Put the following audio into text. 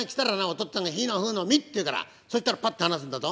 父っつぁんが『ひのふのみ』って言うからそしたらパッと放すんだぞ。